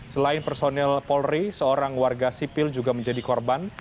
selain personil polri seorang warga sipil juga menjadi korban